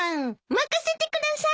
任せてください！